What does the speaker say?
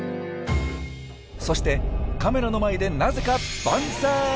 そしてカメラの前でなぜかバンザイ！